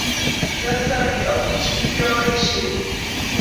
Nonirotsori okishitiro oishi.